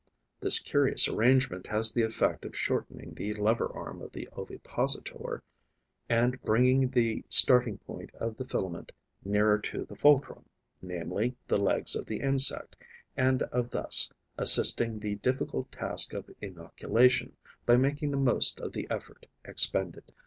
This curious arrangement has the effect of shortening the lever arm of the ovipositor and bringing the starting point of the filament nearer to the fulcrum, namely, the legs of the insect, and of thus assisting the difficult task of inoculation by making the most of the effort expended.